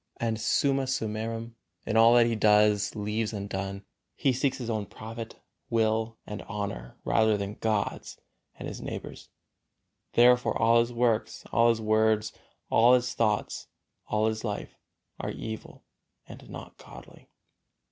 and summa summarum, in all that he does and leaves undone, he seeks his own profit, will and honor rather than God's and his neighbor's. Therefore all his works, all his words, all his thoughts, all his life are evil and not godly.